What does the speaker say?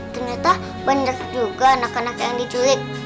ternyata banyak juga anak anak yang diculik